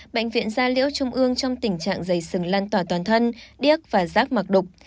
bệnh viện gia liễu trung ương trong tình trạng dày sừng lan tỏa toàn thân điếc và rác mạc đục